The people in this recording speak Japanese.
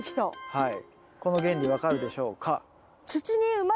はい。